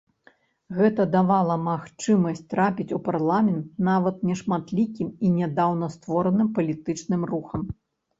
Гэта давала магчымасць трапіць у парламент нават нешматлікім і нядаўна створаным палітычным рухам.